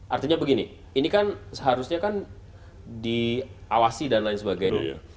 artinya begini ini kan seharusnya kan diawasi dan lain sebagainya